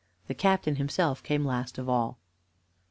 The captain himself came last of all.